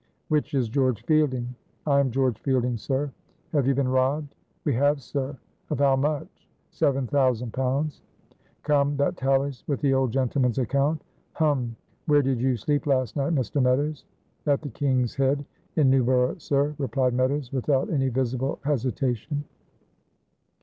"Which is George Fielding?" "I am George Fielding, sir. "Have you been robbed?" "We have, sir." "Of how much?" "Seven thousand pounds." "Come, that tallies with the old gentleman's account. Hum! where did you sleep last night, Mr. Meadows?" "At the 'King's Head' in Newborough, sir," replied Meadows, without any visible hesitation.